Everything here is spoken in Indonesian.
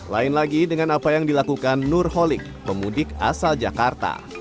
lain lagi dengan apa yang dilakukan nur holik pemudik asal jakarta